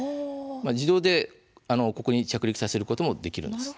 自動でここに着陸させることもできるんです。